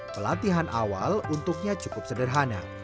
pelatihan awal untuknya cukup sederhana